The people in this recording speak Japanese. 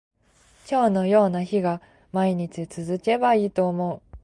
今日のような日が毎日続けばいいと思う